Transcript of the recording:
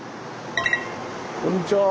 こんにちは。